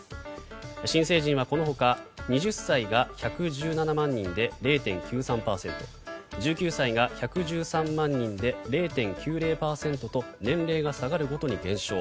新成人はこのほか２０歳が１１７万人で０．９３％１９歳が１１３万人で０．９０％と年齢が下がるごとに減少。